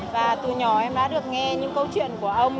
và từ nhỏ em đã được nghe những câu chuyện của ông